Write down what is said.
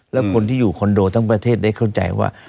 แล้วคนที่อยู่คอนโดทั้งประเทศได้เข้าใจว่า